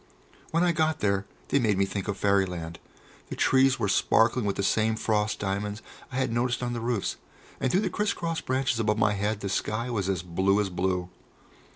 When I got there they made me think of Fairyland. The trees were sparkling with the same frost diamonds I had noticed on the roofs, and through the criss cross branches above my head the sky was as blue as blue.